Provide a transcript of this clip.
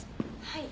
はい。